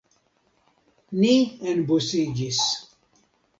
Ni enbusiĝis.